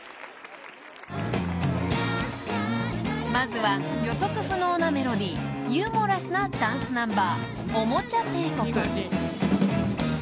［まずは予測不能なメロディーユーモラスなダンスナンバー］